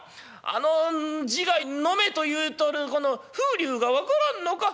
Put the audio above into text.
あの字が飲めと言うとる風流が分からんのか？